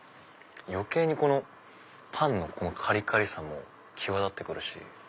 余計にこのパンのカリカリさも際立ってくるし。